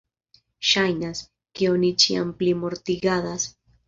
Ŝajnas, ke oni ĉiam pli mortigadas.